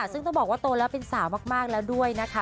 ซึ่งต้องบอกว่าโตแล้วเป็นสาวมากแล้วด้วยนะคะ